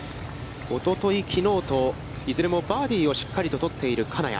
おととい、きのうといずれもバーディーをしっかりと取っている金谷。